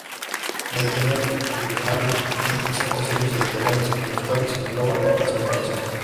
La editorial Grijalbo tiene distintos sellos editoriales en los cuales se engloban las publicaciones.